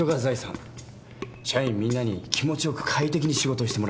社員みんなに気持ちよく快適に仕事をしてもらいたい。